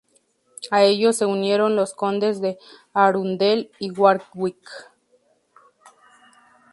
A ellos se unieron los condes de Arundel y Warwick.